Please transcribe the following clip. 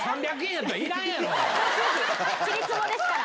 ちりつもですから。